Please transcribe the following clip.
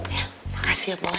ya makasih ya boy